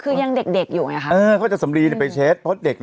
คือยังเด็กเด็กอยู่ไงคะเออเขาจะสำลีเนี่ยไปเช็ดเพราะเด็กอ่ะ